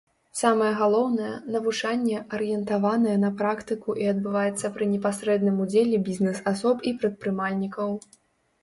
Самае галоўнае, навучанне арыентаванае на практыку і адбываецца пры непасрэдным удзеле бізнэс-асоб і прадпрымальнікаў.